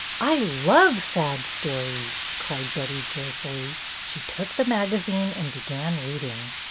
I love sad stories," cried Betty, joyfully. She took the magazine and began reading.